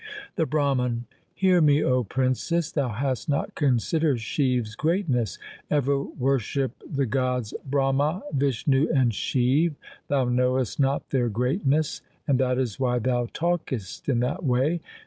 The Brahman Hear me, 0 princess, thou hast not considered Shiv's greatness. Ever worship the gods Brahma, Vishnu, and Shiv. Thou knowest not their greatness, and that is why thou talkest in that way.